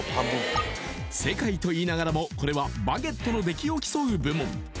世界といいながらもこれはバゲットの出来を競う部門